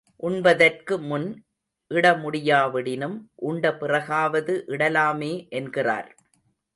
உண்பதற்கு முன் இடமுடியாவிடினும், உண்ட பிறகாவது இடலாமே என்கிறார்.